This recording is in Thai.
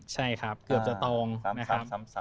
ใช่ครับเกือบจะตรงนะครับ